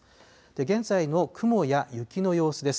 現在の雲や雪の様子です。